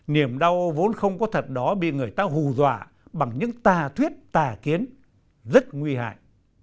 niềm đau vốn không có thật đó bị người ta hù dọa bằng những tà thuyết tà kiến rất nguy hại